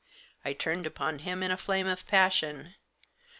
I turned upon him in a flame of passion.